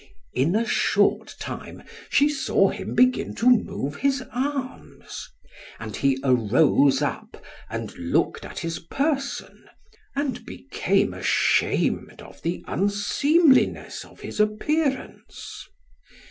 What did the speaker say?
In a short time she saw him begin to move his arms; and he arose up, and looked at his person, and became ashamed of the unseemliness of his appearance.